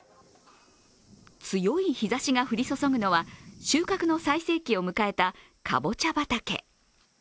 強い日ざしが降り注ぐのは収穫の最盛期を迎えたかぼちゃ畑。